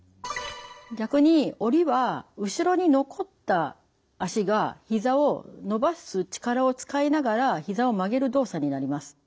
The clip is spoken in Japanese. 逆に下りは後ろに残った脚がひざを伸ばす力を使いながらひざを曲げる動作になります。